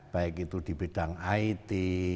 baik itu di bidang it